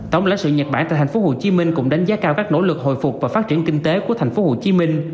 tổng lãnh sự nhật bản tại tp hcm cũng đánh giá cao các nỗ lực hồi phục và phát triển kinh tế của tp hcm